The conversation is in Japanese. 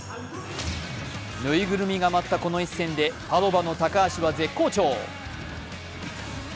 ぬいぐるみが舞ったこの一戦で、パドヴァの高橋は絶好調。